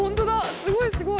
すごいすごい。